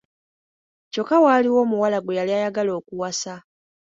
Kyokka waaliwo omuwala gwe yali ayagala okuwasa.